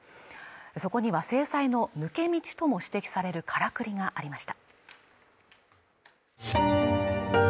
そこには制裁の抜け道とも指摘されるからくりがありました